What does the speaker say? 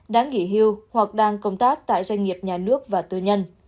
đã nghỉ hưu hoặc đang công tác tại doanh nghiệp nhà nước và tư nhân